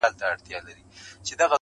چا راوړي د پیسو وي ډک جېبونه،